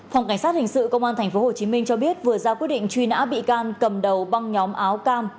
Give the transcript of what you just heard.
phòng cảnh sát hình sự công an tp hcm cho biết vừa ra quyết định truy nã bị can cầm đầu băng nhóm áo cam